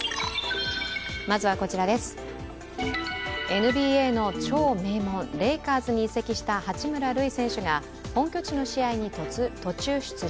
ＮＢＡの超名門レイカーズに移籍した八村塁選手が本拠地の試合に途中出場。